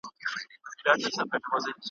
د ټول کلي خلک ماته کړي ښراوي ,